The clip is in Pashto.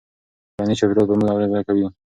ټولنیز چاپېریال په موږ اغېزه کوي.